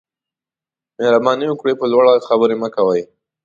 مهرباني وکړئ په لوړ غږ خبرې مه کوئ